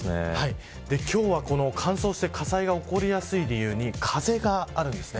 今日は、乾燥して火災が起こりやすい理由に風があるんです。